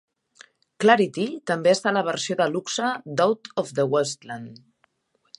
"Clarity" també està a la versió de luxe d'"Out of the Wasteland".